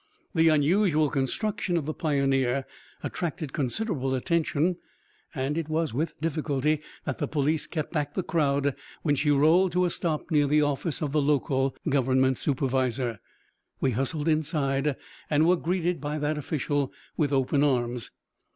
The unusual construction of the Pioneer attracted considerable attention and it was with difficulty that the police kept back the crowd when she rolled to a stop near the office of the local government supervisor. We hustled inside and were greeted by that official with open arms.